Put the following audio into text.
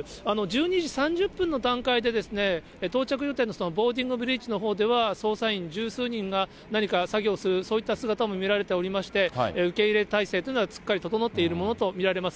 １２時３０分の段階で、到着予定のボーディングブリッジのほうでは、捜査員十数人が何か作業をする、そういった姿も見られておりまして、受け入れ態勢というのはすっかり整っているものと見られます。